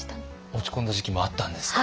落ち込んだ時期もあったんですか？